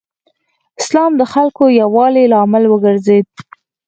اسلام د خلکو د یووالي لامل وګرځېد.